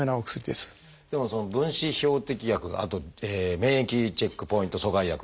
でもその分子標的薬あと免疫チェックポイント阻害薬。